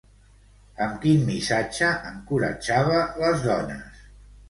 Amb quin missatge encoratjava les dones?